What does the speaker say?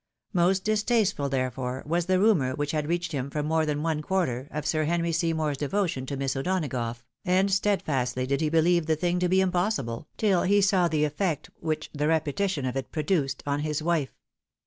Most distasteful, therefore, was the rumour, which had reached him from more than one quarter, of Sir Henry Seymour's devotion to Miss O'Donagough, and steadfastly did he believe the thing to be impossible, till he saw the effect which the repetition of it produced on Ms wife.